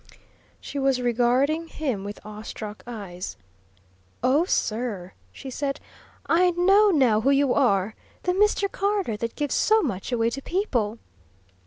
She was regarding him with awestruck eyes. "Oh, sir," she said, "I know now who you are the Mr. Carter that gives so much away to people!"